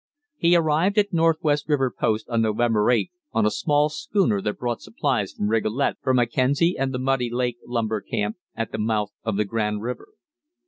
He arrived at Northwest River Post on November 8th on a small schooner that brought supplies from Rigolet for Mackenzie and the Muddy Lake lumber camp at the mouth of the Grand River.